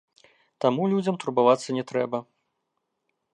Таму людзям турбавацца не трэба.